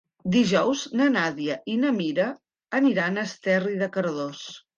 Dijous na Nàdia i na Mira aniran a Esterri de Cardós.